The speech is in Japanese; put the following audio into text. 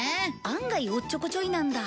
案外おっちょこちょいなんだ